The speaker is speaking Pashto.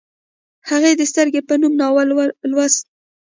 هغې د سترګې په نوم ناول لوست